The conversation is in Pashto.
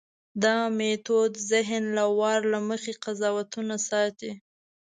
دا میتود ذهن له وار له مخکې قضاوتونو ساتي.